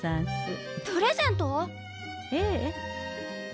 ええ。